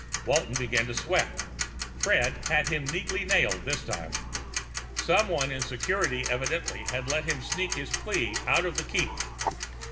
Walton began to sweat. Fred had him neatly nailed this time. Someone in security evidently had let him sneak his plea out of the Keep.